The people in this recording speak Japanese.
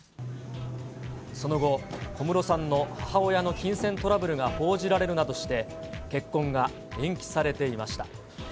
その後、小室さんの母親の金銭トラブルが報じられるなどして、結婚が延期されていました。